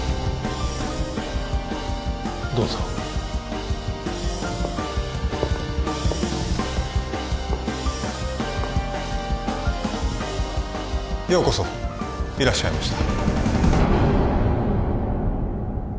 どうぞようこそいらっしゃいました